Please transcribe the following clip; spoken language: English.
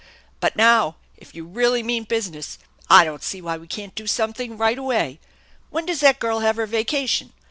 But now, if you really mean business, I don't see why we can't do something right away. When does that girl have her vacation?